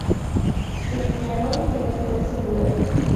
Peñarol quedó en tercer lugar.